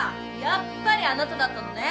やっぱりあなただったのね！